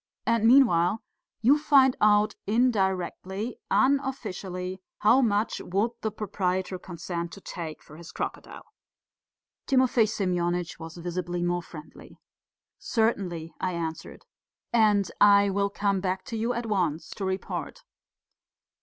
And meanwhile, you find out indirectly, unofficially, how much would the proprietor consent to take for his crocodile?" Timofey Semyonitch was visibly more friendly. "Certainly," I answered. "And I will come back to you at once to report."